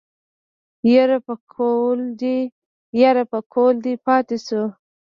يره پکول دې پاتې شو.